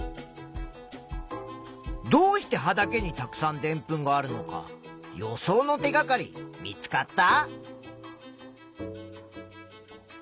どうして葉だけにたくさんでんぷんがあるのか予想の手がかり見つかった？